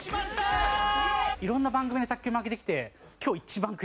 色んな番組で卓球負けてきて。